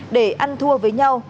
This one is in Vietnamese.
để ăn thua với nhau